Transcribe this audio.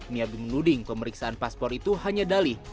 miabi menuding pemeriksaan paspor itu hanya dalih